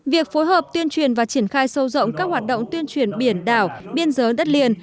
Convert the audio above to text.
việc phối hợp tuyên truyền và triển khai sâu rộng các hoạt động tuyên truyền biển đảo biên giới đất liền